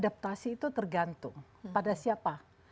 adaptasi itu tergantung pada siapa